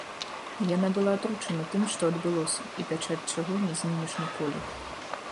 Яна была атручана тым, што адбылося і пячаць чаго не знімеш ніколі.